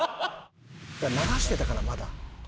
慣らしてたからまだ。